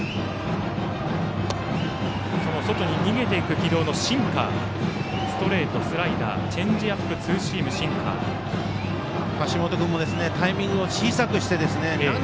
外に逃げていく軌道のシンカーストレート、スライダーチェンジアップツーシーム、シンカーを持っています。